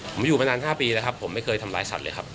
ผมอยู่มานาน๕ปีแล้วครับผมไม่เคยทำร้ายสัตว์เลยครับ